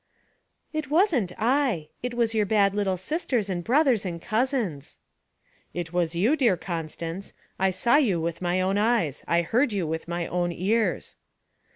'It wasn't I. It was your bad little sisters and brothers and cousins.' 'It was you, dear Constance. I saw you with my own eyes; I heard you with my own ears.'